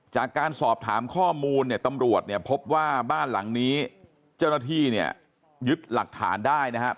จากการสอบถามข้อมูลเนี่ยตำรวจเนี่ยพบว่าบ้านหลังนี้เจ้าหน้าที่เนี่ยยึดหลักฐานได้นะครับ